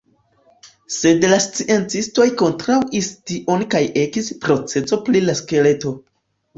Sed la sciencistoj kontraŭis tion kaj ekis proceso pri la skeleto.